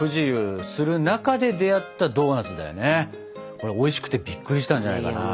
これおいしくてびっくりしたんじゃないかな。